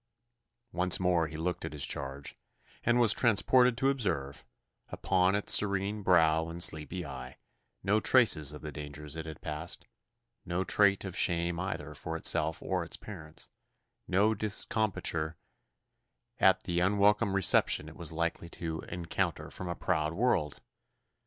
Once more he looked at his charge, and was transported to observe, upon its serene brow and sleepy eye, no traces of the dangers it had passed no trait of shame either for itself or its parents no discomposure at the unwelcome reception it was likely to encounter from a proud world!